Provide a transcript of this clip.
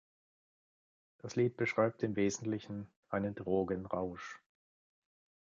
Das Lied beschreibt im Wesentlichen einen Drogenrausch.